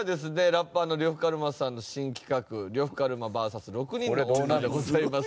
ラッパーの呂布カルマさんの新企画「呂布カルマＶＳ６人の女」でございます。